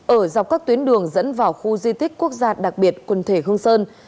ở dọc các tuyến đường dẫn vào khu di tích quốc gia đặc biệt quần thể hương sơn